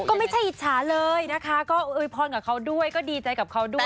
ก็ไม่ใช่อิจฉาเลยนะคะก็โวยพรกับเขาด้วยก็ดีใจกับเขาด้วย